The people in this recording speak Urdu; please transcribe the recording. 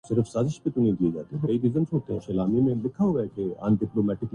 وہ لکھتی ہیں